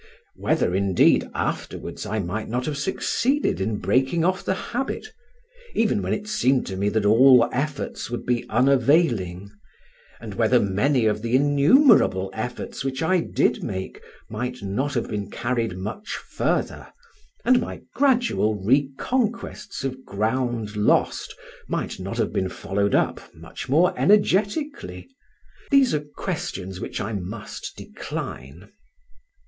Whether, indeed, afterwards I might not have succeeded in breaking off the habit, even when it seemed to me that all efforts would be unavailing, and whether many of the innumerable efforts which I did make might not have been carried much further, and my gradual reconquests of ground lost might not have been followed up much more energetically—these are questions which I must decline.